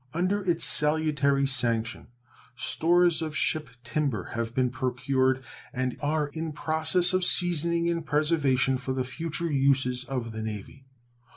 Under its salutary sanction stores of ship timber have been procured and are in process of seasoning and preservation for the future uses of the Navy.